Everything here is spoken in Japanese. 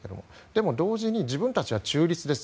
でも同時に自分たちは中立です